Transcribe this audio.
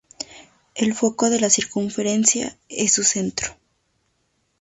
El foco de la circunferencia es su centro.